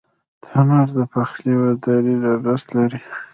تنور د پخلي دودیز ارزښت لري